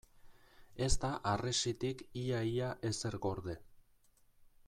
Ez da harresitik ia-ia ezer gorde.